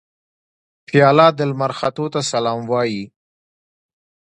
پیاله د لمر ختو ته سلام وايي.